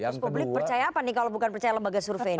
jadi publik percaya apa nih kalau bukan percaya lembaga survei ini